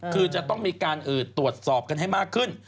คือจะต้องมีการตรวจสอบกันให้มากขึ้น